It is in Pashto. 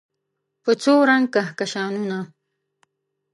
په څو رنګ کهکشانونه